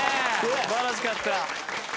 素晴らしかった。